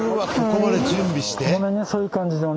ここまで準備して？